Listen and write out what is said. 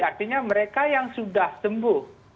artinya mereka yang sudah sembuh